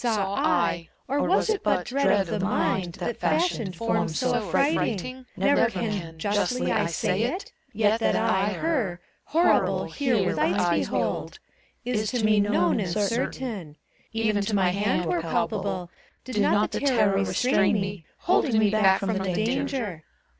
Saw I, or was it but Dread of the mind, that fashioned Forms so affrighting t Never can Justly I say itt Yet that I Her, Horrible, here with eyes behold. Is to me known and certain : Even to my hand were palpable, Did not the terror restrain me, Holding me back from the danger.